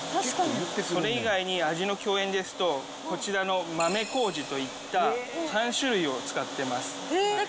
それ以外に味の饗宴ですと、こちらの豆こうじといった３種類を使ってます。